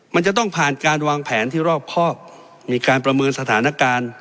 มันจะต้องผ่านการวางแผนที่รอบครอบมีการประเมินสถานการณ์